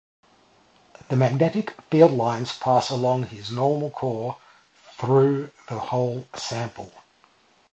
The magnetic field lines pass along this normal core through the whole sample.